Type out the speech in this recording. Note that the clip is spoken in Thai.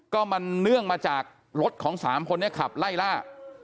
ก็มันเนื่องมาจากรถของ๓คนนี้ขับไล่ล่า